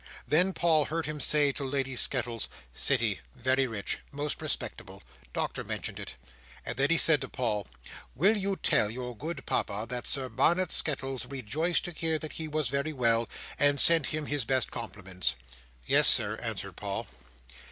Then Paul heard him say to Lady Skettles, "City—very rich—most respectable—Doctor mentioned it." And then he said to Paul, "Will you tell your good Papa that Sir Barnet Skettles rejoiced to hear that he was very well, and sent him his best compliments?" "Yes, Sir," answered Paul.